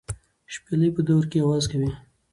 شپېلۍ په درو کې اواز کوي.